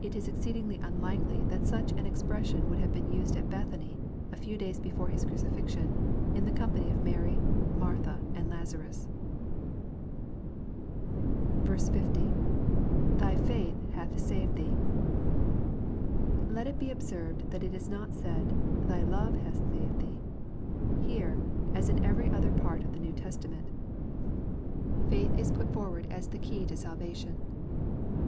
It is exceedingly unUkely that such an expression would have been used at Bethany, a few days before His crucifixion, in the company of Mary, and Martha, and Laza rus. 50. — [^y faith hath saved thee.] Let it be observed that it is not said, " thy love hath saved thee." Here, as in every other part of the New Testament, faith is put forward as the key to salva LUKE, CHAP, vni, i43 lion.